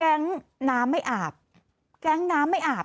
น้ำไม่อาบแก๊งน้ำไม่อาบ